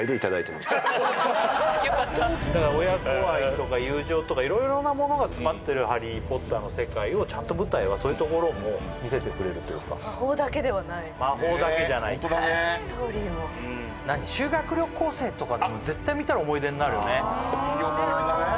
だから親子愛とか友情とか色々なものが詰まってる「ハリー・ポッター」の世界をちゃんと舞台はそういうところも見せてくれるというか魔法だけではない魔法だけじゃないストーリーもいい思い出だね